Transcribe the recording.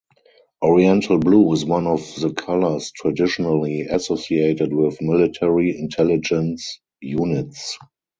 Oriental blue is one of the colors traditionally associated with Military Intelligence units.